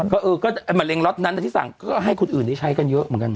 ก็เออก็ไอ้มะเร็งล็อตนั้นที่สั่งก็ให้คนอื่นได้ใช้กันเยอะเหมือนกัน